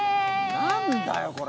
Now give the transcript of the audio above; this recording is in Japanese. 何だよこれ？